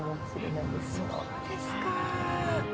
そうですか。